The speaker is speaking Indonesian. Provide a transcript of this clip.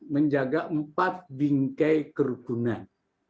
menjaga empat bingkai kerukunan